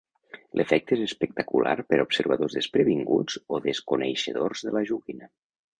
L'efecte és espectacular per a observadors desprevinguts o desconeixedors de la joguina.